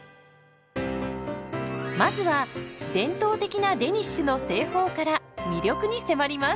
まずは伝統的なデニッシュの製法から魅力に迫ります。